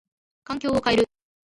環境を変える。